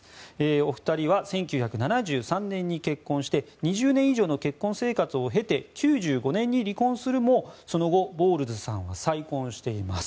お二人は１９７３年に結婚して２０年以上の結婚生活を経て９５年に離婚するもその後、ボウルズさんは再婚しています。